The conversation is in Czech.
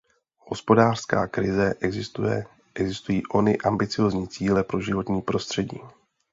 Hospodářská krize existuje, existují ony ambiciózní cíle pro životní prostředí.